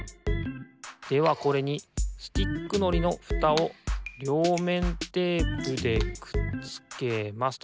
ではこれにスティックのりのフタをりょうめんテープでくっつけますと。